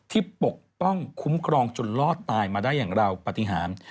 ปกป้องคุ้มครองจนรอดตายมาได้อย่างราวปฏิหาร